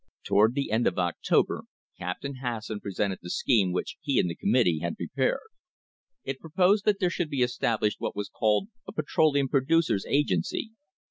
Toward the end of October Captain Hasson presented the "AN UNHOLY ALLIANCE" scheme which he and the committee had prepared. It pro posed that there should be established what was called a Petroleum Producers' Agency.